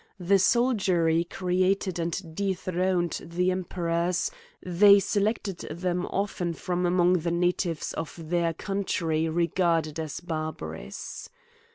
The soldiery created and dethroned the emperors ; they selected them often from among the natives of thtir country regarded as barbarous.